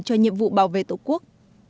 cho nhiệm vụ bảo vệ tổ quốc